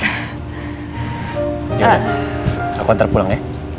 ya udah aku ntar pulang ya